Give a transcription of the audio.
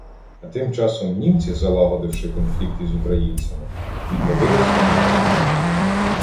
А тим часом німці, залагодивши конфлікт із українцями, відновили свій наступ.